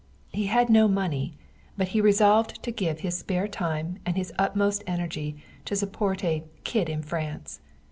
He had no money, but he resolved to give his spare time and his utmost energy to support a "kid in France."